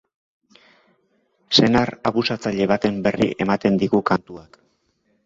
Senar abusatzaile baten berri ematen digu kantuak.